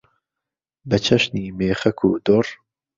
بە چەشنی مێخەک و دوڕ